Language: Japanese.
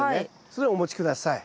それをお持ち下さい。